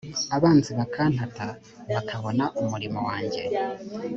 abanzi bakantata bakabona umurimo wanjye